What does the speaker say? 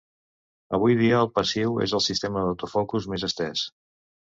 Avui dia, el passiu és el sistema d'autofocus més estès.